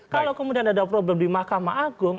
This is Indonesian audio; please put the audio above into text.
kalau kemudian ada problem di mahkamah agung